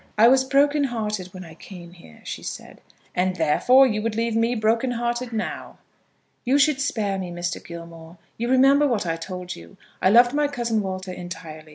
"I was broken hearted when I came here," she said. "And therefore you would leave me broken hearted now." "You should spare me, Mr. Gilmore. You remember what I told you. I loved my cousin Walter entirely.